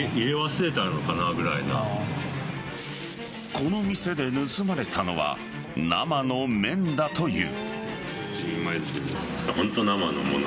この店で盗まれたのは生の麺だという。